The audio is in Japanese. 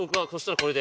これで。